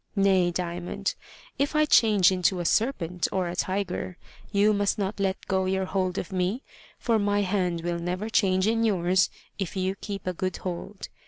Nay, Diamond, if I change into a serpent or a tiger, you must not let go your hold of me, for my hand will never change in yours if you keep a good hold.